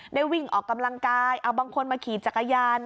วิ่งออกกำลังกายเอาบางคนมาขี่จักรยาน